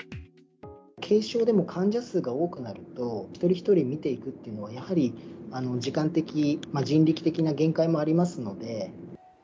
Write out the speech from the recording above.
軽症でも患者数が多くなると、一人一人診ていくっていうのは、やはり時間的、人力的な限界もありますので。